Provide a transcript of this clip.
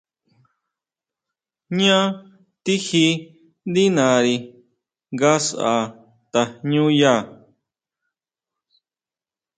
¿Jñá tijí ndí nari nga sʼá tajñúya?